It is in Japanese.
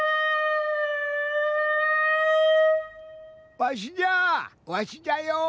わしじゃわしじゃよ。